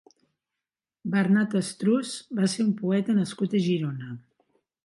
Bernat Estruç va ser un poeta nascut a Girona.